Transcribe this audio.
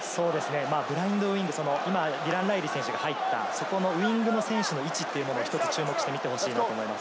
ブラインドウイング、ディラン・ライリーが入ったウイングの選手の位置も注目してみてほしいと思います。